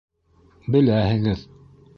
Беләһегеҙ.